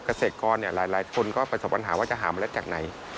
เกษตรกรหลายคนก็ประสบปัญหาว่าจะหาเมล็ดจากไหน